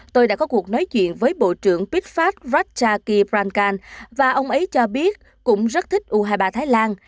tôi đã có cuộc nói chuyện với bộ trưởng prithpat ratchakitprakarn và ông ấy cho biết cũng rất thích u hai mươi ba thái lan